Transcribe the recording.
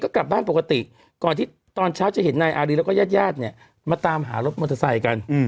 ก่อนที่ตอนเช้าจะเห็นนายอารีแล้วก็ญาติมาตามหารถมอเตอร์ไซค์กัน